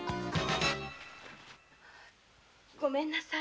ごめんなさい。